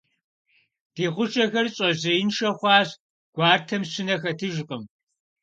Ди хъушэхэр щӀэжьеиншэ хъуащ, гуартэм щынэ хэтыжкъым.